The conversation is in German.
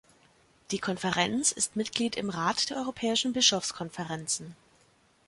Die Konferenz ist Mitglied im Rat der europäischen Bischofskonferenzen.